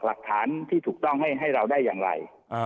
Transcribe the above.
หลักฐานที่ถูกต้องให้เราได้อย่างไร